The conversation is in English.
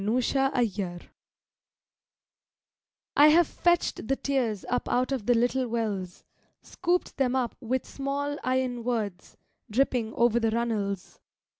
THE PUNISHER I HAVE fetched the tears up out of the little wells, Scooped them up with small, iron words, Dripping over the runnels.